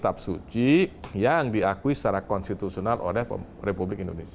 kitab suci yang diakui secara konstitusional oleh republik indonesia